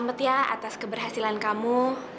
selamat ya atas keberhasilan kamu